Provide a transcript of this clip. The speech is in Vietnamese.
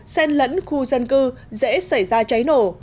xen lẫn khu dân cư dễ xảy ra cháy nổ